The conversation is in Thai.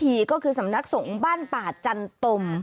ก็คือสำนักสงฆ์บ้านป่าจันตม